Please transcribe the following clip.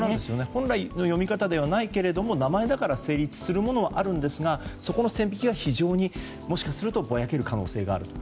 本来の読み方ではないけれども名前だから成立するものはありますがそこの線引きが非常にもしかするとぼやける可能性があると。